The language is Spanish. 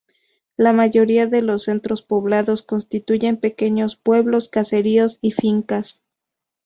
La mayoría de los Centros poblados constituyen pequeños pueblos, caseríos y fincas.